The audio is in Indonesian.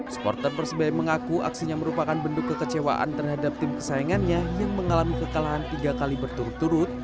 supporter persebaya mengaku aksinya merupakan bentuk kekecewaan terhadap tim kesayangannya yang mengalami kekalahan tiga kali berturut turut